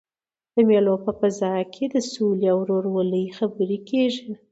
د مېلو په فضا کښي د سولي او ورورولۍ خبري کېږي.